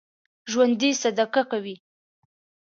ژوندي صدقه کوي